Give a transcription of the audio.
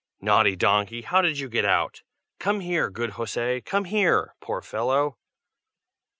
Naughty donkey, how did you get out? Come here, good José! come here, poor fellow!"